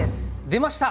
出ました！